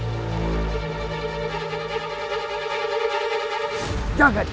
kau sudah menyerang pancacaran